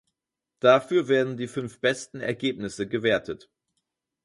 Dafür werden die fünf besten Ergebnisse gewertet.